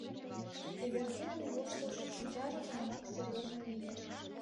Эвердинан воштылшо шинчаже тунамак серьёзный лие.